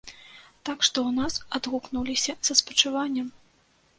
Так што ў нас адгукнуліся са спачуваннем.